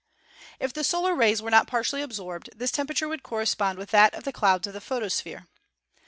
If the solar rays were not partially absorbed this tem perature would correspond with that of the clouds of the SOLAR ENERGY 121 photosphere.